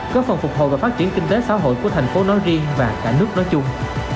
có phần phục hồi và phát triển kinh tế xã hội của thành phố nói riêng và cả nước nói chung